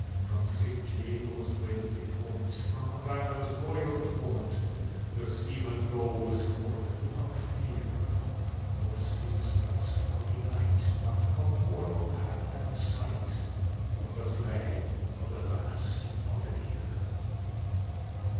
From St Jago's wealthy port, from Havannah's royal fort, The seaman goes forth without fear; For since that stormy night not a mortal hath had sight Of the flag of the last Buccaneer.